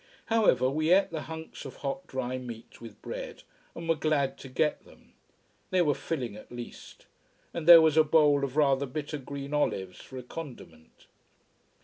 However, we ate the hunks of hot, dry meat with bread, and were glad to get them. They were filling, at least. And there was a bowl of rather bitter green olives for a condiment.